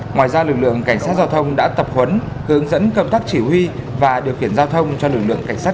ngoài ra lực lượng cảnh sát giao thông đã tập huấn hướng dẫn công tác chỉ huy và điều khiển giao thông cho lực lượng cảnh sát